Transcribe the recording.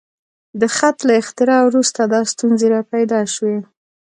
د خط له اختراع وروسته دا ستونزې راپیدا شوې.